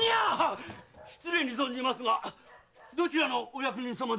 失礼に存じますがどちらのお役人さまで？